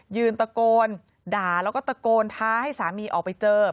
ยืนตะโกนด่าแล้วก็ตะโกนท้าให้สามีออกไปเจอ